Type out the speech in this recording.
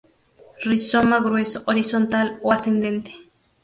Rizoma grueso, horizontal o ascendente.